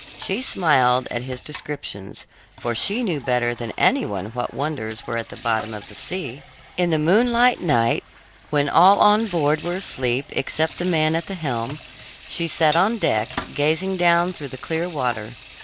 She smiled at his descriptions, for she knew better than any one what wonders were at the bottom of the sea. In the moonlight night, when all on board were asleep except the man at the helm, she sat on deck, gazing down through the clear water.